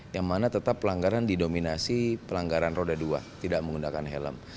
yang mana tetap pelanggaran didominasi pelanggaran roda dua tidak menggunakan helm